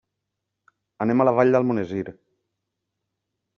Anem a la Vall d'Almonesir.